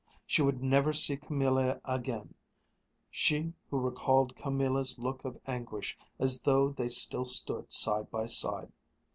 She would never see Camilla again, she who recalled Camilla's look of anguish as though they still stood side by side.